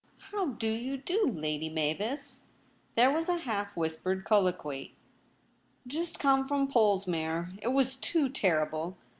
* How do you do, Lady Mavis ?' There was a half whispered colloquy. ' Just come from Polesmere. It was too terrible.